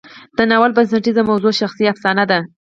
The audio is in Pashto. د ناول بنسټیزه موضوع شخصي افسانه ده.